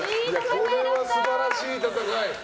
これは素晴らしい戦い。